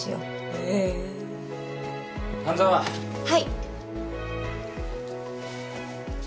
はい。